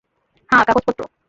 হ্যাঁ, কাগজপত্র।